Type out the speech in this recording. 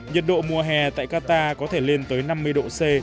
nhiệt độ mùa hè tại qatar có thể lên tới năm mươi độ c